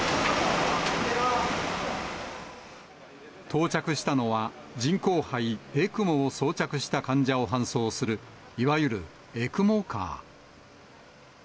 到着したのは、人工肺・ＥＣＭＯを装着した患者を搬送する、いわゆるＥＣＭＯカー。